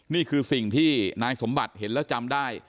นี่คือสิ่งที่นายสมบัติเห็นแล้วจำได้